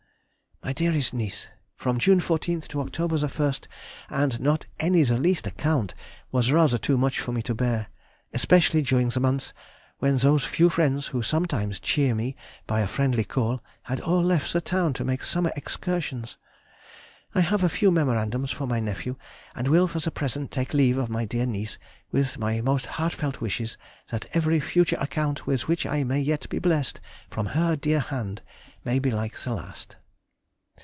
MY DEAREST NIECE,— From June 14 to October the 1st, and not any the least account, was rather too much for me to bear, especially during the months when those few friends who sometimes cheer me by a friendly call had all left the town to make summer excursions.... I have a few memorandums for my nephew, and will for the present take leave of my dear niece with my most heartfelt wishes that every future account with which I may yet be blessed from her dear hand may be like the last.